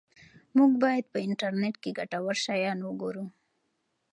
موږ باید په انټرنیټ کې ګټور شیان وګورو.